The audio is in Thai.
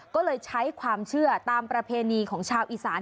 ก็เลยใช้ความเชื่อตามประเพณีของชาวอีสาน